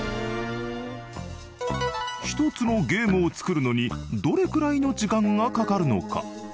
１つのゲームを作るのにどれくらいの時間がかかるのか？